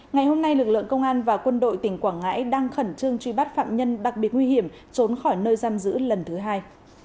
ngày hôm nay lực lượng công an và quân đội tỉnh quảng ngãi đang khẩn trương truy bắt phạm nhân đặc biệt nguy hiểm trốn khỏi nơi giam giữ lần thứ hai